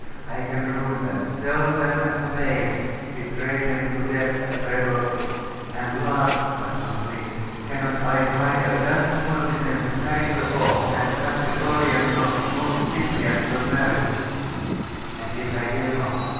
I can ruin them sell them as slaves betray them to death as rebels and last, but not least, cannot I hire a dozen worthy men to carry her off, and cut the Gordian knot most simply and summarily? And yet I dare not.